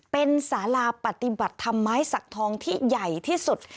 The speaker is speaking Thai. เป็นสาราปฏิบัติธรรมไม้สักทองที่ใหญ่ที่สุด